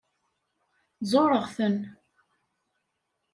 Zureɣ-ten.